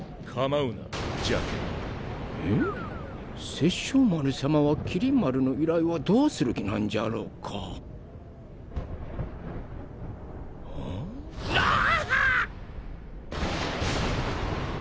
殺生丸さまは麒麟丸の依頼はどうする気なんじゃろうか？わっはぁっ！